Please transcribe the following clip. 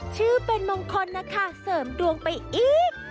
ชื่อเป็นมงคลนะคะเสริมดวงไปอีก